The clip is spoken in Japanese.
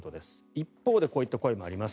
一方でこういった声もあります。